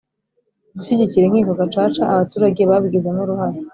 gushyigikira inkiko gacaca abaturage babigizemo uruhare,